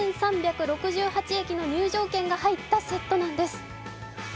駅の入場券が入ったセットなんです。